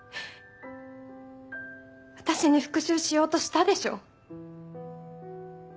私に復讐しようとしたでしょ？